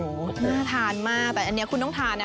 น่าทานมากแต่อันนี้คุณต้องทานนะ